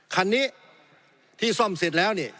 คันนี้ที่ซ่อมเสร็จแล้วนี่